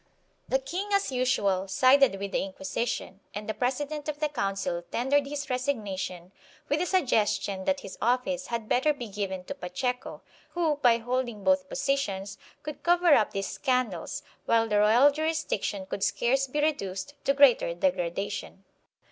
The king, as usual, sided with the Inquisition and the President of the Council tendered his resignation with the suggestion that his office had better be given to Pacheco who, by holding both positions, could cover up these scandals, while the royal jurisdiction could scarce be reduced to greater degradation.